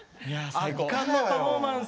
圧巻のパフォーマンス！